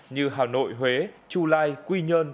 như hà nội huế chu lai quy nhơn